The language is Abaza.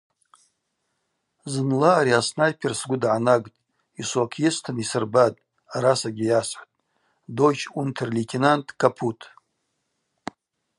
Зынла ари аснайпер сгвы дгӏанагтӏ, йшвокь йыстын йсырбатӏ, арасагьи йасхӏвтӏ: Дойч унтер-лейтенант – капут.